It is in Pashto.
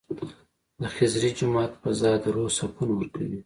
د خضري جومات فضا د روح سکون ورکوي.